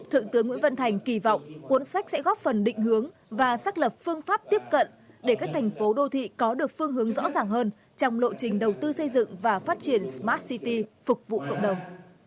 thượng tướng nguyễn văn thành kỳ vọng cuốn sách sẽ góp phần định hướng và xác lập phương pháp tiếp cận để các thành phố đô thị có được phương hướng rõ ràng hơn trong lộ trình đầu tư xây dựng và phát triển smart city phục vụ cộng đồng